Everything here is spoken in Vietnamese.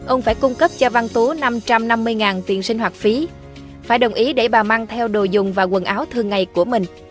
ông phải cung cấp cho văn tú năm trăm năm mươi tiền sinh hoạt phí phải đồng ý để bà mang theo đồ dùng và quần áo thương ngày của mình